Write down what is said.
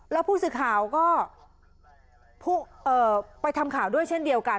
แล้วผู้สื่อข่าวก็ไปทำข่าวด้วยเช่นเดียวกัน